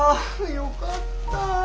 よかった。